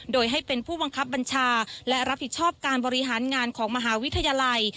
โดยให้เป็นผู้บังคับบัญชาและรับผิดชอบการบริหารงานของมหาวิทยาลัย